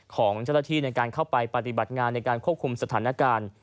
ของเจ้าหน้าที่ในการเข้าไปปฏิบัติงานในการควบคุมสถานการณ์